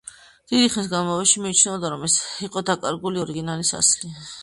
დიდი ხნის განმავლობაში მიიჩნეოდა, რომ ეს იყო დაკარგული ორიგინალის ასლი.